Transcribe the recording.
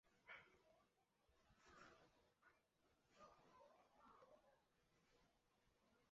叙述亚瑟的少年时期和魔法师梅林帮助他的过程。